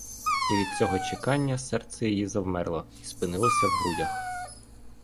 І від цього чекання серце її завмерло й спинилося в грудях.